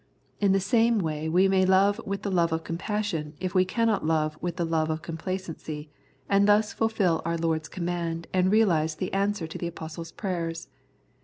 In the same way we may love with the love of compassion if we cannot love with the love of complacency, and thus fulfil our Lord's command and realise the answer to the Apostle's prayers.